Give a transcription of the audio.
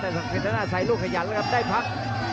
แต่ศักดิ์สิทธิ์น่าใส่ลูกขยันครับได้พัก